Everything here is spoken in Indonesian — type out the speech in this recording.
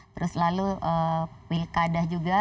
terus lalu wilkadah juga